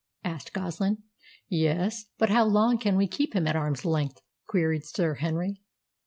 asked Goslin. "Yes, but how long can we keep him at arm's length?" queried Sir Henry.